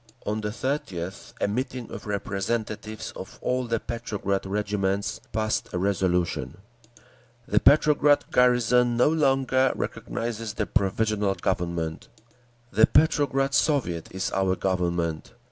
On the 30th a meeting of representatives of all the Petrograd regiments passed a resolution: _"The Petrograd garrison no longer recognises the Provisional Government. The Petrograd Soviet is our Government.